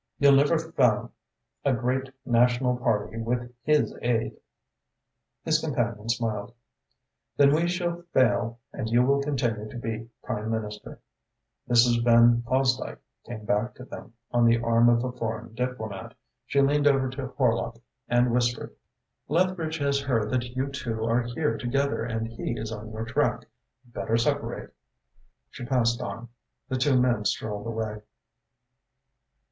You'll never found a great national party with his aid." His companion smiled. "Then we shall fail and you will continue to be Prime Minister." Mrs. Van Fosdyke came back to them, on the arm of a foreign diplomat. She leaned over to Horlock and whispered: "Lethbridge has heard that you two are here together and he is on your track. Better separate." She passed on. The two men strolled away.